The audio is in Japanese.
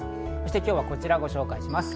今日は、こちらをご紹介します。